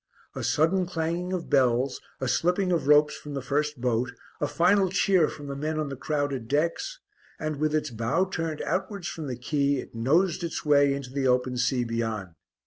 A sudden clanging of bells, a slipping of ropes from the first boat, a final cheer from the men on the crowded decks, and, with its bow turned outwards from the quay, it nosed its way into the open sea beyond.